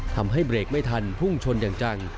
ทำให้เบรกไม่ทันพุ่งชนอย่างจัง